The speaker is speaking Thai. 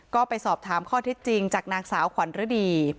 ก็ไปสอบถามข้อเท็จจริงจากนางสาวขวัญฤดี